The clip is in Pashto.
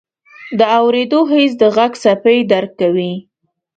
د اورېدو حس د غږ څپې درک کوي.